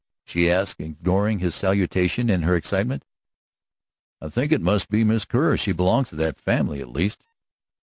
she asked, ignoring his salutation in her excitement. "I think it must be Miss Kerr; she belongs to that family, at least."